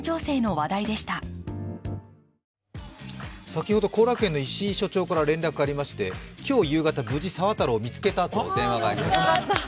先ほど後楽園の石井所長から連絡がありまして、今日夕方、無事、沢太郎を見つけたと電話がありました。